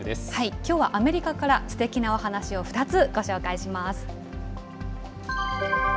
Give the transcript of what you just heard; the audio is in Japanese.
きょうはアメリカから、すてきなお話を２つご紹介します。